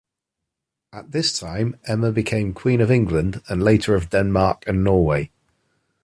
At this time Emma became Queen of England, and later of Denmark, and Norway.